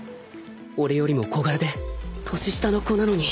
俺よりも小柄で年下の子なのに